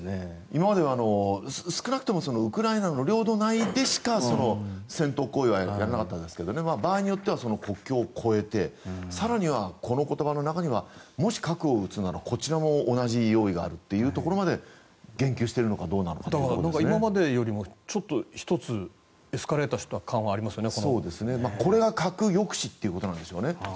今までは少なくともウクライナの領土内でしか戦闘行為はやらなかったんですが場合によっては国境を越えて更に、この言葉の中にはもし核を撃つならこちらも同じ用意があるというところまで言及しているのかどうなのかだから、今までのよりもちょっと１つエスカレートした感はありますよね。